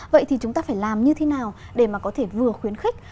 vậy thì chúng ta phải làm như thế nào để mà có thể vừa khuyến khích